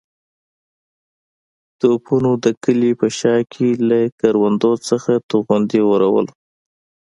توپونو د کلي په شا کې له کروندو څخه توغندي اورول.